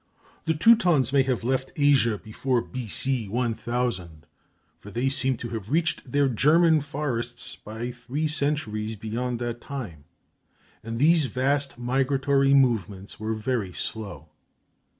The Teutons may have left Asia before B.C. 1000, for they seem to have reached their German forests by three centuries beyond that time, and these vast migratory movements were very slow.